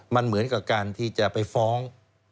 มันเหมือนกับการที่จะไปฟ้อง